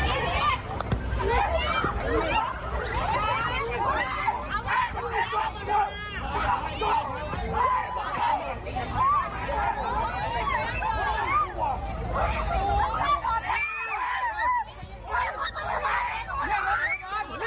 เฮ้ยเดี๋ยวเราไปพยาบาล